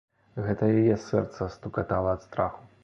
Гэта яе сэрца стукатала ад страху.